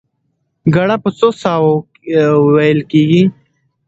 ګړه په څو ساه وو وېل کېږي؟